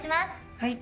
はい。